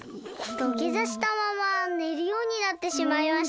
土下座したままねるようになってしまいました。